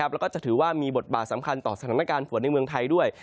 แล้วก็จะถือว่ามีบทบาทสำคัญต่อสถานการณ์ฝนในเมืองไทยด้วย